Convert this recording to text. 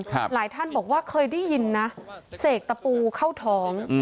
หลายท่านบอกว่าเคยได้ยินนะเสกตะปูเข้าท้อง